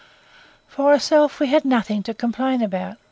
For ourselves, we had nothing to complain about.